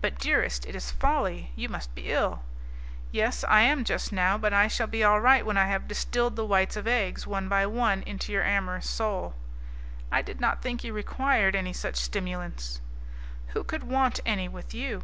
"But, dearest, it is folly! you must be ill?" "Yes, I am just now, but I shall be all right when I have distilled the whites of eggs, one by one, into your amorous soul." "I did not think you required any such stimulants." "Who could want any with you?